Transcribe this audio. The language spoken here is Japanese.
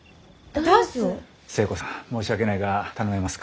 寿恵子さん申し訳ないが頼めますか？